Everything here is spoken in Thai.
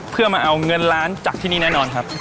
เพื่อมาเอาเงินล้านจากที่นี่แน่นอนครับ